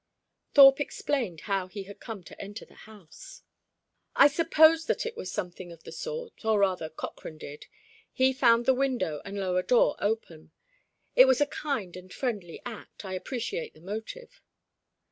Thorpe explained how he had come to enter the house. "I supposed that it was something of the sort, or rather Cochrane did; he found the window and lower door open. It was a kind and friendly act. I appreciate the motive."